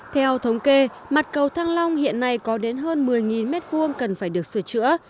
theo thống kê mặt cầu thăng long hiện nay có đến hơn một mươi m hai cần phải được sửa chữa